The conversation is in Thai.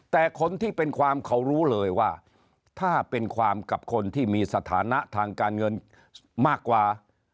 แต่คนที่เป็นความเขารู้เลยว่าถ้าเป็นความกับคนที่มีสถานะทางการเงินมากกว่า